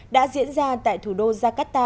đã diễn ra tại thủ đô jakarta